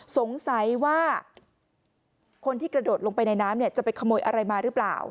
สงสัยว่าคนที่กระโดดลงไปในน้ำเนี่ยจะไปขโมยอะไรมาหรือเปล่า